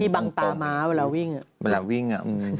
ที่บังตาม้าเวลาวิ่ง